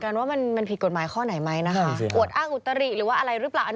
อาจจะไม่ได้มีกฎห้ามว่าต้องแต่งตัวเรียบร้อย